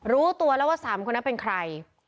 รู้ตัวแล้วว่า๓คนนั้นเป็นใคร